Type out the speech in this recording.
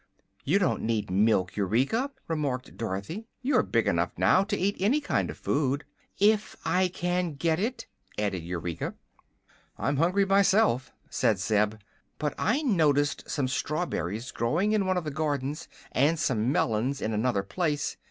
"You don't need milk, Eureka," remarked Dorothy; "you are big enough now to eat any kind of food." "If I can get it," added Eureka. "I'm hungry myself," said Zeb. "But I noticed some strawberries growing in one of the gardens, and some melons in another place.